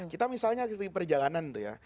kita misalnya di perjalanan tuh ya